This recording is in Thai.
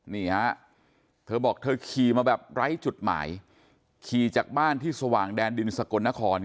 นี่ฮะเธอบอกเธอขี่มาแบบไร้จุดหมายขี่จากบ้านที่สว่างแดนดินสกลนคร